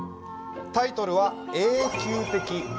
タイトルは「永久的愛」。